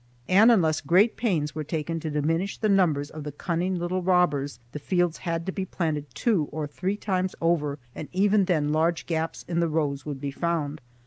And unless great pains were taken to diminish the numbers of the cunning little robbers, the fields had to be planted two or three times over, and even then large gaps in the rows would be found.